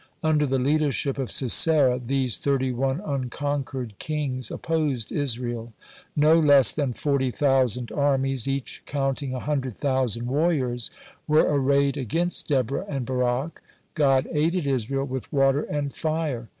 Under the leadership of Sisera these thirty one unconquered kings opposed Israel. (79) No less than forty thousand armies, each counting a hundred thousand warriors, were arrayed against Deborah and Barak. (80) God aided Israel with water and fire.